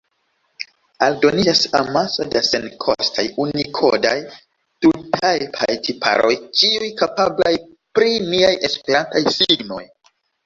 Aldoniĝas amaso da senkostaj unikodaj trutajpaj tiparoj, ĉiuj kapablaj pri niaj esperantaj signoj.